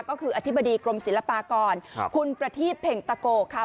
ก็คืออธิบดีกรมศิลปากรคุณประทีบเพ็งตะโกค่ะ